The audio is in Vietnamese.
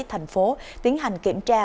tp hcm tiến hành kiểm tra